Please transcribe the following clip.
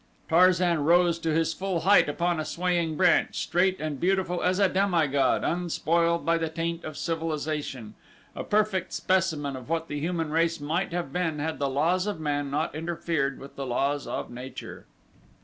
Tarzan rose to his full height upon a swaying branch straight and beautiful as a demigod unspoiled by the taint of civilization a perfect specimen of what the human race might have been had the laws of man not interfered with the laws of nature.